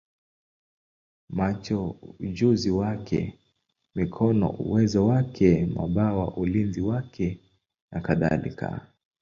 macho ujuzi wake, mikono uwezo wake, mabawa ulinzi wake, nakadhalika.